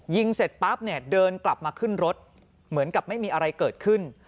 เสร็จปั๊บเนี่ยเดินกลับมาขึ้นรถเหมือนกับไม่มีอะไรเกิดขึ้น